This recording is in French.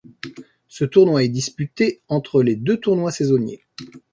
Ce tournoi est disputée entre les deux tournois saisonniers.